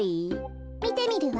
みてみるわ。